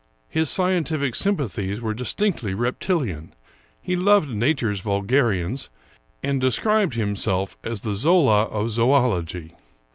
His scientific sympathies were distinctly rep tilian; he loved nature's vulgarians and described himself as the Zola of zoology.